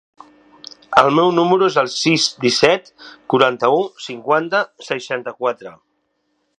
El meu número es el sis, disset, quaranta-u, cinquanta, seixanta-quatre.